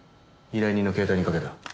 依頼人の携帯にかけた。